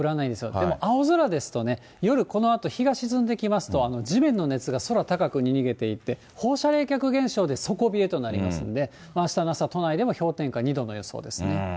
でも、青空ですとね、夜、このあと日が沈んできますと、地面の熱が空高くに逃げていって、放射冷却現象で、底冷えとなりますんで、あしたの朝、都内でも氷点下２度の予想ですね。